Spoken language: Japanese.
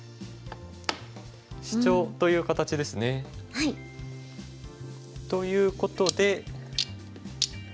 シチョウという形ですね。ということで。